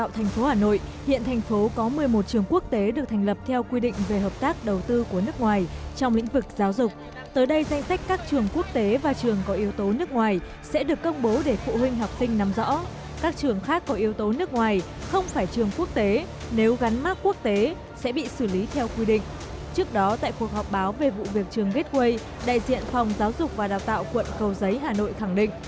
tại cuộc họp báo về vụ việc trường gateway đại diện phòng giáo dục và đào tạo quận cầu giấy hà nội khẳng định